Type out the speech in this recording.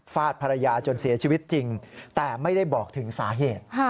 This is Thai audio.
ฟาดภรรยาจนเสียชีวิตจริงแต่ไม่ได้บอกถึงสาเหตุ